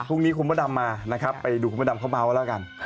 พรุ่งนี้คุณพระดำมานะครับไปดูคุณพระดำเขาเมาส์แล้วกัน